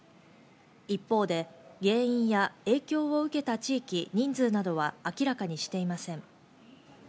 一方で、原因や影響を受けた地域、人数などは明らかにしていません。